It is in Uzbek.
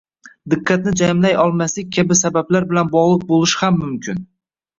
diqqatni jamlay olmaslik kabi sabablar bilan bog‘liq bo‘lishi ham mumkin.